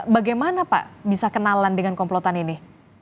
bagaimana pak bisa kenalan dengan komplotan ini